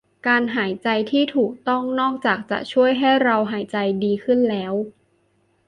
การหายใจที่ถูกต้องนอกจากจะช่วยให้เราหายใจดีขึ้นแล้ว